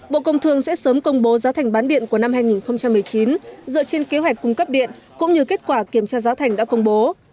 bộ công thương sẽ sớm công bố giá thành bán điện của năm hai nghìn một mươi chín dựa trên kế hoạch cung cấp điện cũng như kết quả kiểm tra giá thành đã công bố